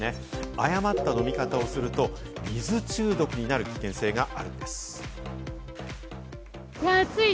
誤った飲み方をすると水中毒になる危険性があるのです。